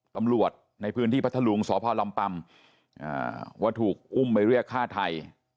ตำรวจในพื้นที่พัทธลุงสพลำปำว่าถูกอุ้มไปเรียกฆ่าไทย